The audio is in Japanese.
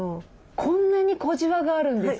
こんなに小じわがあるんですか？